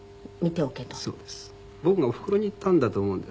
そうです。